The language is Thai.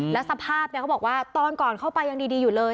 แล้วสภาพเขาบอกว่าตอนก่อนเข้าไปยังดีอยู่เลย